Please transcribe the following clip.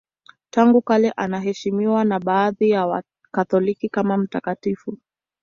Tangu kale anaheshimiwa na baadhi ya Wakatoliki kama mtakatifu.